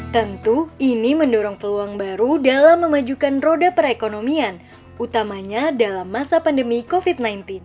tentu ini mendorong peluang baru dalam memajukan roda perekonomian utamanya dalam masa pandemi covid sembilan belas